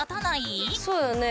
そうよね。